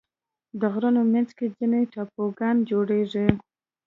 د غرونو منځ کې ځینې ټاپوګان جوړېږي.